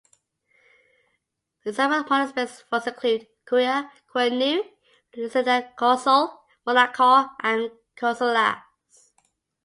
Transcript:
Examples of monospaced fonts include Courier, Courier New, Lucida Console, Monaco, and Consolas.